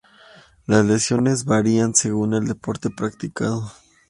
Las lesiones varían según el deporte practicado.